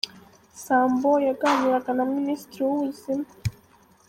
Sambo yaganiraga na Minisitiri w’Ubuzima,